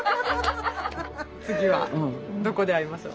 次はどこで会いましょう。